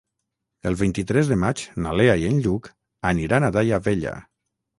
El vint-i-tres de maig na Lea i en Lluc aniran a Daia Vella.